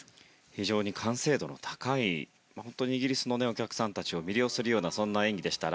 非常に完成度が高くイギリスのお客さんたちを魅了するような演技でした。